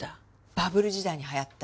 バブル時代に流行った。